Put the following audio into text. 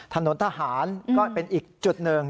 ถนนทหารก็เป็นอีกจุดหนึ่ง